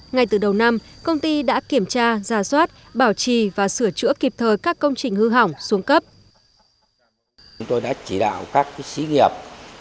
ngay từ đầu năm công ty đã kiểm tra ra soát bảo trì và sửa chữa kịp thời các công trình hư hỏng xuống cấp